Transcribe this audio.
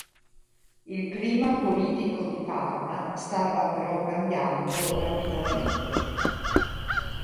Il clima politico di Parma stava però cambiando rapidamente.